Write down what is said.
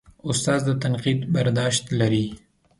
استاد د تنقید برداشت لري.